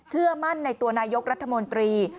เชื่อมั่นในตัวนายกรัฐมนตรี